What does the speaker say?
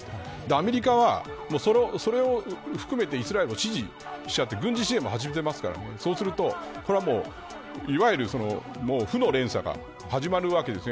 アメリカはそれを含めてイスラエルを支持しちゃって軍事支援も始めてますからそうすると、これはもういわゆる負の連鎖が始まるわけです。